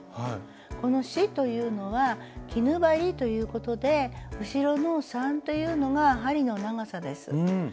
この四というのは絹針ということで後ろの三というのが針の長さです。